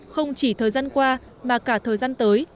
không chỉ thời gian qua mà cả thời gian tới